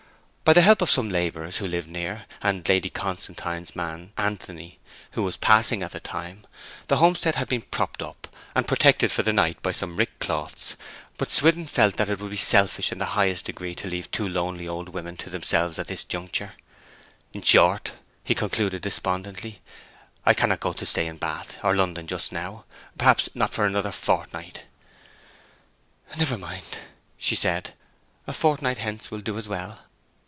By the help of some labourers, who lived near, and Lady Constantine's man Anthony, who was passing at the time, the homestead had been propped up, and protected for the night by some rickcloths; but Swithin felt that it would be selfish in the highest degree to leave two lonely old women to themselves at this juncture. 'In short,' he concluded despondently, 'I cannot go to stay in Bath or London just now; perhaps not for another fortnight!' 'Never mind,' she said. 'A fortnight hence will do as well.'